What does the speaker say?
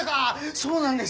そうなんです。